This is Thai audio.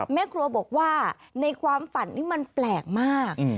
แม่ครัวบอกว่าในความฝันนี้มันแปลกมาก